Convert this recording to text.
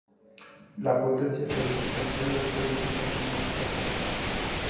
La potencia estadística puede depender de un gran número de factores.